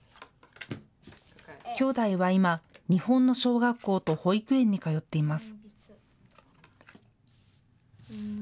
きょうだいは今、日本の小学校と保育園に通っています。